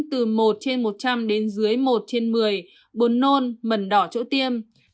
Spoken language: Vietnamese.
một trên một trăm linh đến dưới một trên một mươi bồn nôn mẩn đỏ chỗ tiêm